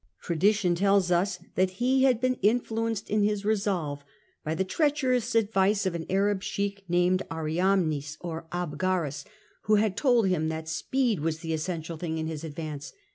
Tradition tells that he had been influenced in his resolve by the treacherous advice of an Arab sheikh named Ariamnes (or Abgarus), who had told him that speed was the essential thing in his advance.